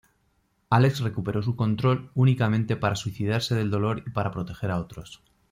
Alex recuperó su control únicamente para suicidarse del dolor y para proteger a otros.